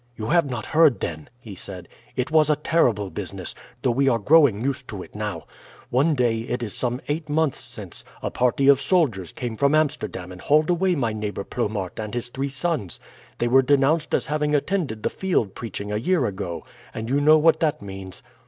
"You have not heard, then?" he said. "It was a terrible business, though we are growing used to it now. One day, it is some eight months since, a party of soldiers came from Amsterdam and hauled away my neighbour Plomaert and his three sons. They were denounced as having attended the field preaching a year ago, and you know what that means."